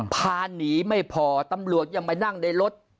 พาหนีไม่พอตำรวจยังไปนั่งในรถ